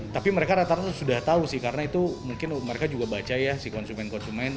tapi mereka rata rata sudah tahu sih karena itu mungkin mereka juga baca ya si konsumen konsumen